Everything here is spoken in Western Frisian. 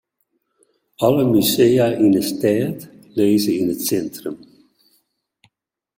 Alle musea yn 'e stêd lizze yn it sintrum.